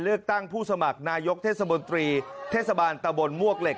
เลือกตั้งผู้สมัครนายกเทศบนตรีเทศบาลตะบนมวกเหล็ก